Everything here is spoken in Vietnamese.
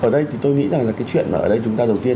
ở đây thì tôi nghĩ là cái chuyện ở đây chúng ta đầu tiên